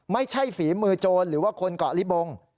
ฝีมือโจรหรือว่าคนเกาะลิบง